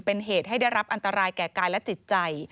เป็นเหตุให้ได้รับอันตรายแก่กายและจิตใจ